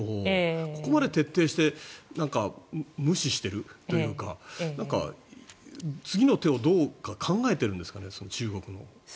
ここまで徹底して無視しているというか次の手をどうか考えているんですかね、中国は。